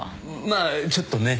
まあちょっとね。